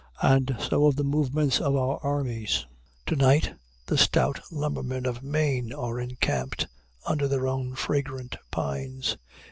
And so of the movements of our armies. Tonight the stout lumbermen of Maine are encamped under their own fragrant pines.